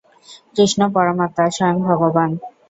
কৃষ্ণ পরমাত্মা, স্ময়ং ভগবান্।